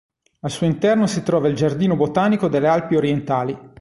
Al suo interno si trova il Giardino botanico delle Alpi Orientali.